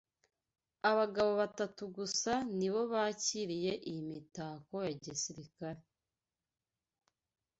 Abagabo batatu gusa nibo bakiriye iyi mitako ya gisirikare